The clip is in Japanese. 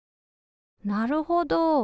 なるほど。